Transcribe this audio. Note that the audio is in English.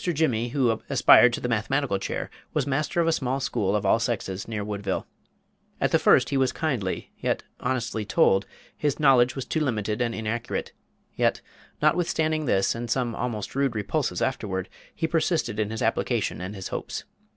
Jimmy, who aspired to the mathematical chair, was master of a small school of all sexes, near Woodville. At the first, he was kindly, yet honestly told, his knowledge was too limited and inaccurate; yet, notwithstanding this, and some almost rude repulses afterward, he persisted in his application and his hopes.